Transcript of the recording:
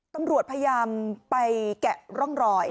ตำรวจพยายามไปแกะร่องรอย